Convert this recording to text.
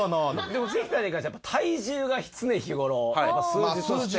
でも関さんに関してはやっぱ体重が常日頃数字として。